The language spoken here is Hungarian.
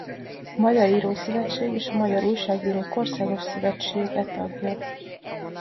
A Magyar Írószövetség és a Magyar Újságírók Országos Szövetsége tagja.